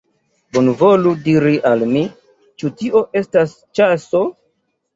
Bonvolu diri al mi, ĉu tio estas ĉaso!